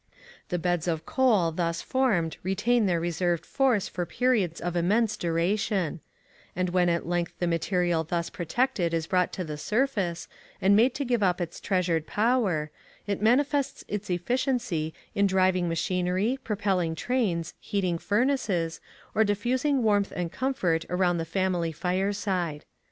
The beds of coal thus formed retain their reserved force for periods of immense duration; and when at length the material thus protected is brought to the surface, and made to give up its treasured power, it manifests its efficiency in driving machinery, propelling trains, heating furnaces, or diffusing warmth and comfort around the family fireside.